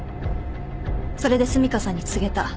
それで澄香さんに告げた。